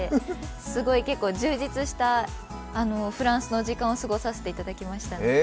すごい充実したフランスの時間を過ごさせてもらいました。